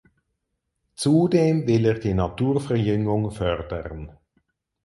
Zudem will er die Naturverjüngung fördern.